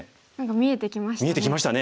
見えてきましたね。